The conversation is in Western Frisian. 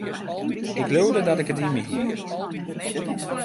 Ik leaude dat ik it yn my hie.